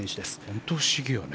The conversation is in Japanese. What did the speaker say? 本当に不思議よね。